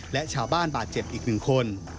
และชาวบ้านบาดเจ็บอีก๑คน